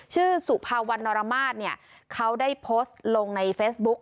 ชื่อสุพาวันนรมาสเขาได้โพสต์ลงในเฟสบุ๊ค